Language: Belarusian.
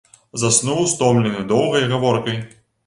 Заснуў, стомлены доўгай гаворкай.